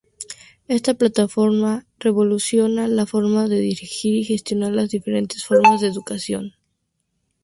Esta plataforma, revoluciona la forma de dirigir y gestionar las diferentes formas de educación.